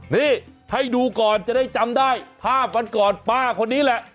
นี่ให้ดูก่อนจะได้จำได้ภาพวันก่อนป้าคนนี้แหละ